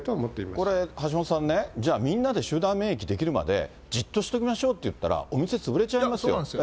これ、橋下さんね、じゃあ、みんなで集団免疫出来るまで、じっとしておきましょうって言ったら、お店潰れちゃいますよ。